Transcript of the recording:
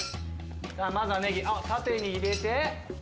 まずはネギ縦に入れて。